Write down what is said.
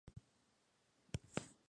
Fue autodidacta.